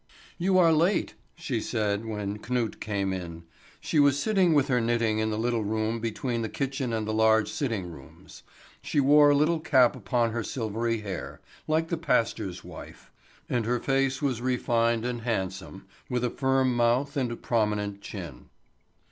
"You are late," she said, when Knut came in. She was sitting with her knitting in the little room between the kitchen and the large sitting rooms. She wore a little cap upon her silvery hair, like the pastor's wife; and her face was refined and handsome, with a firm mouth and prominent chin.